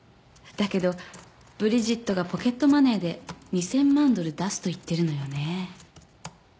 だけどブリジットがポケットマネーで２，０００万ドル出すと言ってるのよね。